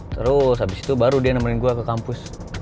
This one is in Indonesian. terus habis itu baru dia nemenin gue ke kampus